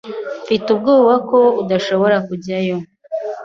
Mfite ubwoba ko udashobora kujyayo.